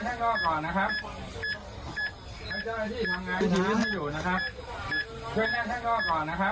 ท่านเลี้ยงรอก่อนนะครับก็อยากทั้งรอก่อนนะครับ